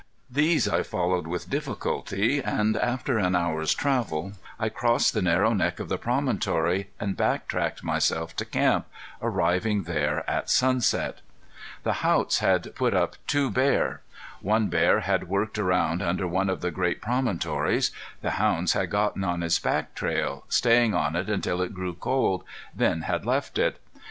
These I followed, with difficulty, and after an hour's travel I crossed the narrow neck of the promontory, and back tracked myself to camp, arriving there at sunset. The Haughts had put up two bear. One bear had worked around under one of the great promontories. The hounds had gotten on his back trail, staying on it until it grew cold, then had left it.